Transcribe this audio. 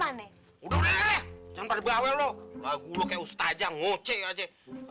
jadi sebenernya sudah tidak ada yang perlu dikhawatirkan lagi ya dokter sama sekali tidak ada alhamdulillah terimakasih ya dokter